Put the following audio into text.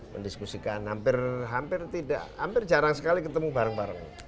mendiskusikan hampir jarang sekali ketemu bareng bareng